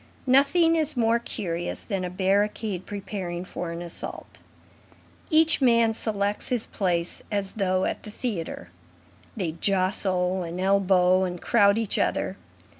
Nothing is more curious than a barricade preparing for an assault. Each man selects his place as though at the theatre. They jostle, and elbow and crowd each other.